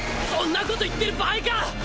そんなこと言ってる場合か！